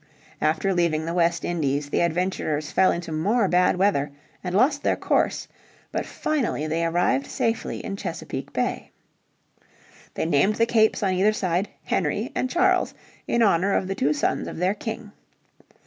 After leaving the West Indies the adventurers fell into more bad weather, and lost their course; but finally they arrived safely in Chesapeake Bay. They named the capes on either side Henry and Charles, in honour of the two sons of their King.